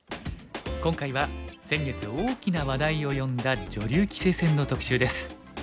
今回は先月大きな話題を呼んだ女流棋聖戦の特集です。